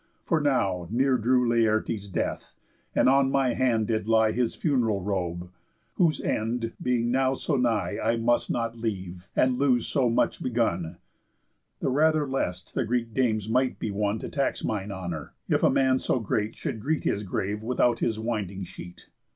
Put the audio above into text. For now near drew Laertes' death, and on my hand did lie His funeral robe, whose end, being now so nigh, I must not leave, and lose so much begun, The rather lest the Greek dames might be won To tax mine honour, if a man so great Should greet his grave without his winding sheet.